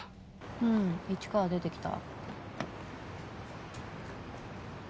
うん市川出てきた。